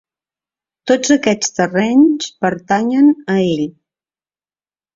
Tots aquests terrenys pertanyen a ell.